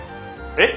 えっ？